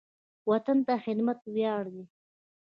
وطن ته خدمت ویاړ دی